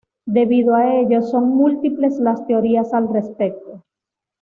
Debido a ello son múltiples las teorías al respecto.